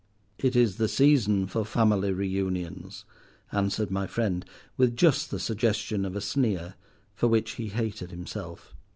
"It is the season for family re unions," answered my friend with just the suggestion of a sneer, for which he hated himself.